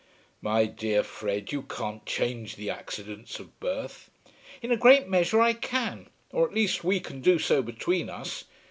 "My dear Fred, you can't change the accidents of birth." "In a great measure I can; or at least we can do so between us.